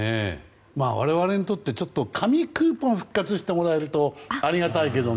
我々にとっては紙クーポンが復活してくれるとありがたいけどね。